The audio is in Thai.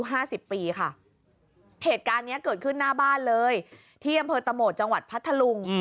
เหตุการณ์นี้เกิดขึ้นหน้าบ้านเลยที่อำเภอตะโมดจังหวัดพัทธลุง